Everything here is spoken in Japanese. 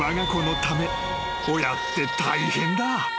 ［親って大変だ］